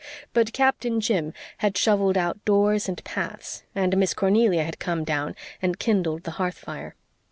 But Captain Jim had shovelled out doors and paths, and Miss Cornelia had come down and kindled the hearth fire.